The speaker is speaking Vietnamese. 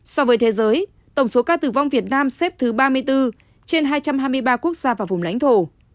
so với thế giới tổng số ca tử vong việt nam xếp thứ ba mươi bốn trên hai trăm hai mươi ba quốc gia và vùng lãnh thổ